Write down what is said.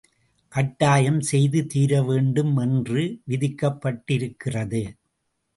கட்டாயம் செய்து தீர வேண்டும் என்று விதிக்கப்பட்டிருக்கிறது.